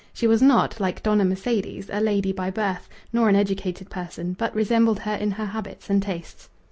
She was not, like Dona Mercedes, a lady by birth, nor an educated person, but resembled her in her habits and tastes.